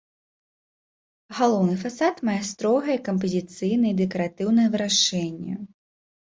Галоўны фасад мае строгае кампазіцыйнае і дэкаратыўнае вырашэнне.